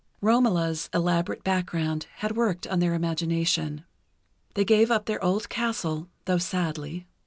"Romola's" elaborate background had worked on their imagination. They gave up their old castle, though sadly.